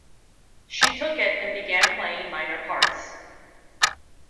She took it and began playing minor parts.